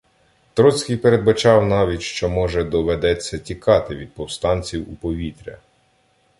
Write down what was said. Троцький передбачав навіть, що, може, доведеться тікати від повстанців у повітря.